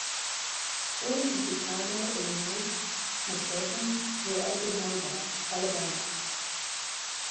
Born in Chicago, Illinois, McGivern grew up in Mobile, Alabama.